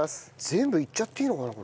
全部いっちゃっていいのかな？